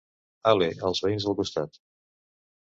Hale, els veïns del costat.